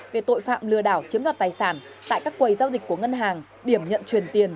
về tội phạm lừa đảo chiếm đoạt tài sản tại các quầy giao dịch của ngân hàng điểm nhận truyền tiền